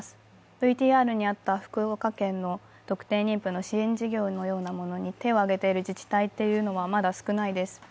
ＶＴＲにあった福岡県の特定妊婦の支援事業に手を上げている自治体というのはまだ少ないです。